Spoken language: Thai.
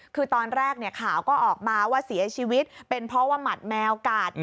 คือตอนแรกข่าวก็ออกมาว่าเสียชีวิตเป็นเพราะว่าหมัดแมวกัด